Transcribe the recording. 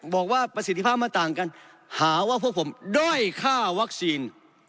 บอกว่าประสิทธิภาพมันต่างกันหาว่าพวกผมด้อยค่าวัคซีน